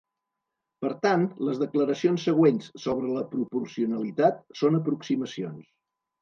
Per tant, les declaracions següents sobre la proporcionalitat són aproximacions.